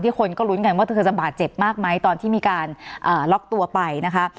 ที่คนก็รุ้นกันว่าเธอสมบัติเจ็บมากมั้ยตอนที่มีการล็อกตัวไปนะคะ